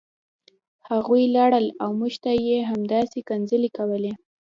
هغوی لاړل او موږ ته یې همداسې کنځلې کولې